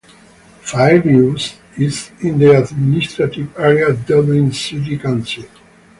Fairview is in the administrative area of Dublin City Council.